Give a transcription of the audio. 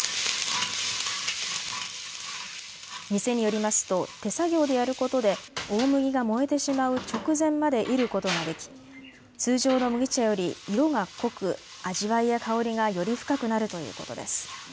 店によりますと手作業でやることで大麦が燃えてしまう直前までいることができ通常の麦茶より色が濃く味わいや香りがより深くなるということです。